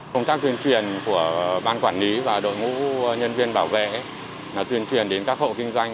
công tác tuyên truyền của ban quản lý và đội ngũ nhân viên bảo vệ tuyên truyền đến các hộ kinh doanh